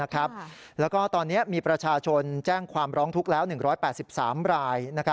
แล้วก็ตอนนี้มีประชาชนแจ้งความร้องทุกข์แล้ว๑๘๓ราย